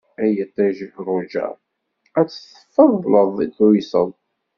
Ay iṭij rujaɣ, ad d-teffleḍ tuyseḍ.